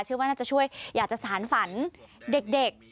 ว่าน่าจะช่วยอยากจะสารฝันเด็ก